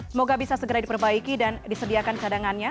semoga bisa segera diperbaiki dan disediakan cadangannya